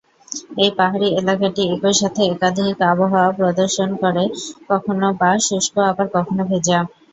এই পাহাড়ি এলাকাটি একই সাথে একাধিক আবহাওয়া প্রদর্শন করে কখনো বা শুষ্ক আবার কখনো ভেজা।